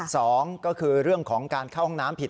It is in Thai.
สองก็คือเรื่องของการเข้าห้องน้ำผิด